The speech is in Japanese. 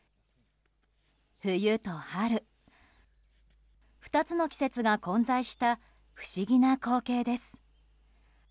冬と春、２つの季節が混在した不思議な光景です。